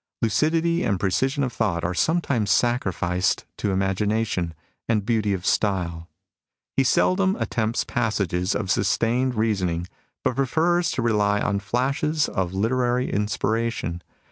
Lucidity and precision of thought are sometimes sacrificed to imagination and beauty of style. He seldom attempts passages of sustained rea soning, but prefers to rely on fiashes of literary 1 See p, 50. CHUANG TZlJ'S METHOD 29 inspiration.